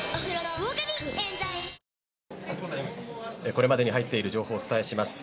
これまでに入っている情報をお伝えします。